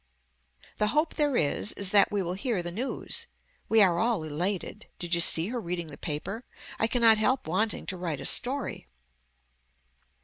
The hope there is is that we will hear the news. We are all elated. Did you see her reading the paper. I cannot help wanting to write a story.